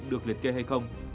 được liệt kê hay không